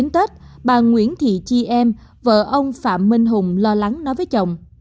hai mươi chín tết bà nguyễn thị chi em vợ ông phạm minh hùng lo lắng nói với chồng